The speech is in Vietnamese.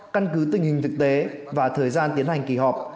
căn cứ tình hình thực tế và thời gian tiến hành kỳ họp